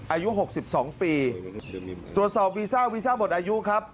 อายุ๖๒ปีตรวจสอบวีซ่าวีซ่าหมดอายุครับ